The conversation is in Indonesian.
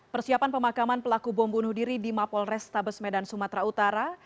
persiapan pemakaman pelaku bom bunuh diri di mapol restabes medan sumatera utara